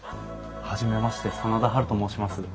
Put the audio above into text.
初めまして真田ハルと申します。